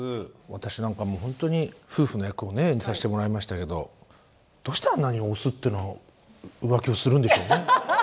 私なんかもう本当に夫婦の役をね演じさせてもらいましたけどどうしてあんなにオスっていうのは浮気をするんでしょうね。